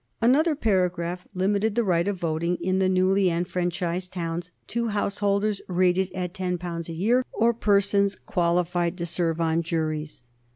Another paragraph limited the right of voting in the newly enfranchised towns to householders rated at ten pounds a year or persons qualified to serve on juries.